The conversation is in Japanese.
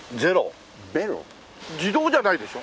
自動じゃないでしょ？